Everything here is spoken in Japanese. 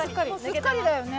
すっかりだよね